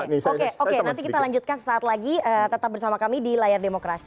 oke oke nanti kita lanjutkan sesaat lagi tetap bersama kami di layar demokrasi